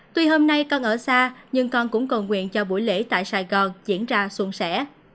tuy hôm nay con ở xa nhưng con cũng cầu nguyện cho buổi lễ tại sài gòn diễn ra xuân sẻ